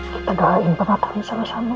kita doain bahkan sama sama